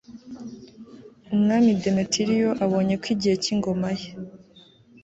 umwami demetiriyo abonye ko igihe cy'ingoma ye